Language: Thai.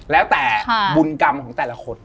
แล้วแต่บุญกรรมของแต่ละคน